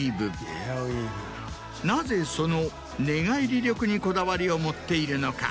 なぜその寝返り力にこだわりを持っているのか。